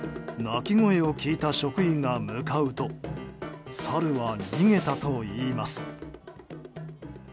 泣き声を聞いた職員が向かうとサルは逃げたといいます。